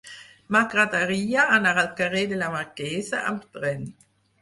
M'agradaria anar al carrer de la Marquesa amb tren.